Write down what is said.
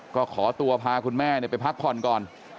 ก็ขอตัวพาคุณแม่ไปพักผ่อนก่อน